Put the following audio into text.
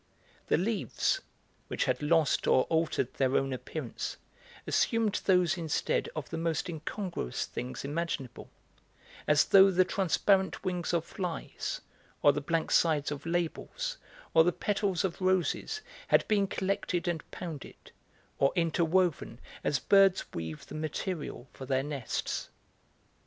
The leaves, which had lost or altered their own appearance, assumed those instead of the most incongruous things imaginable, as though the transparent wings of flies or the blank sides of labels or the petals of roses had been collected and pounded, or interwoven as birds weave the material for their nests.